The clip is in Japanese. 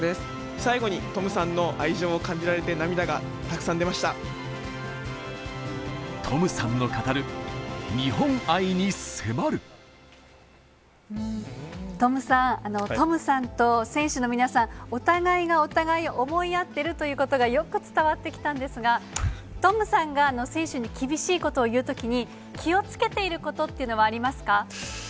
最後にトムさんの愛情を感じトムさんの語る、日本愛に迫トムさん、トムさんと選手の皆さん、お互いがお互いを思い合ってるということが、よく伝わってきたんですが、トムさんが選手に厳しいことを言うときに、気をつけていることっていうのはありますか？